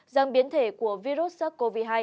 rằng biến thể của virus sars cov hai